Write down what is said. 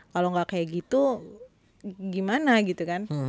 kalau nggak kayak gitu gimana gitu kan